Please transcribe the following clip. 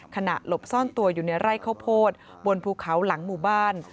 หลบซ่อนตัวอยู่ในไร่ข้าวโพดบนภูเขาหลังหมู่บ้าน